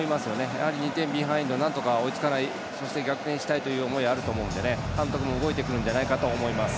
やはり２点ビハインドなんとか追いつきたいそして逆転したいという思いもあると思うので監督も動いてくると思います。